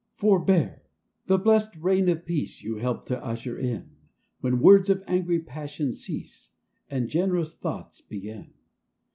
Forbear! the blessed reign of Peace You help to usher in, When words of angry passion cease, And generous thoughts begin.